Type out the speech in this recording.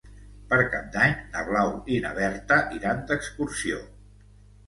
Per Cap d'Any na Blau i na Berta iran d'excursió.